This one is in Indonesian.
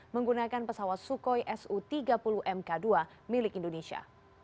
menggunakan pesawat sukhoi su tiga puluh mk dua milik indonesia